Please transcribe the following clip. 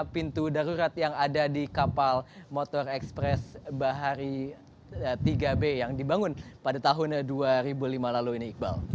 pintu darurat yang ada di kapal motor ekspres bahari tiga b yang dibangun pada tahun dua ribu lima lalu ini iqbal